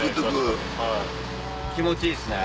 気持ちいいですね。